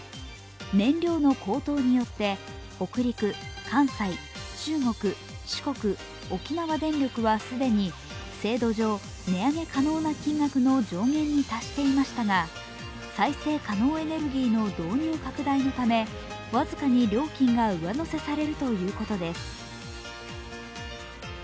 燃料の高騰によって、北陸、関西、中国、四国、沖縄電力は既に制度上、値上げ可能な金額の上限に達していましたが再生可能エネルギーの導入拡大のため、僅かに料金が上乗せされるということです。